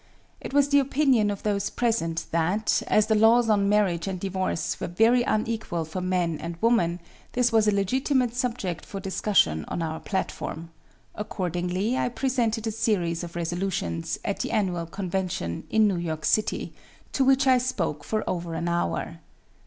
It was the opinion of those present that, as the laws on marriage and divorce were very unequal for man and woman, this was a legitimate subject for discussion on our platform; accordingly I presented a series of resolutions, at the annual convention, in New York city, to which I spoke for over an hour.